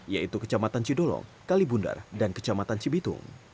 yaitu kecamatan cidolong kalibundar dan kecamatan cibitung